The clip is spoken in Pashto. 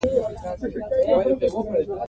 لمریز ځواک د افغانستان په هره برخه کې موندل کېږي.